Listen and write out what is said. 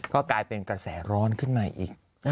ก็กลายเป็นกระแสร้อนขึ้นมาอีก